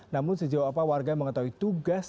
seperti seperti melencari itu